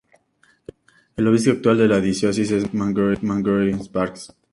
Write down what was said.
El Obispo actual de la Diócesis es Mons.Gregory Lawrence Parkes.